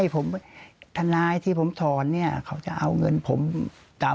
ผมทนายที่ผมถอนเนี่ยเขาจะเอาเงินผมตาม